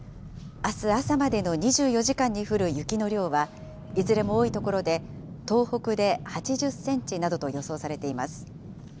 あす朝までの２４時間に降る雪の量は、いずれも多い所で、東北で８０センチなどと予想されています。